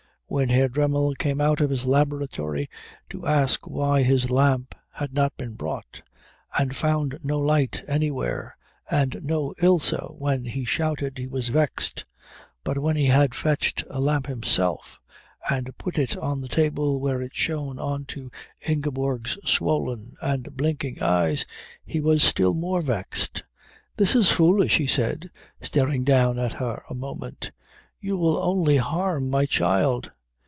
When Herr Dremmel came out of his laboratory to ask why his lamp had not been brought, and found no light anywhere and no Ilse when he shouted, he was vexed; but when he had fetched a lamp himself and put it on the table where it shone on to Ingeborg's swollen and blinking eyes, he was still more vexed. "This is foolish," he said, staring down at her a moment. "You will only harm my child."